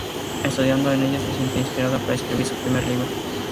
Estudiando en ella se sintió inspirada para escribir su primer libro.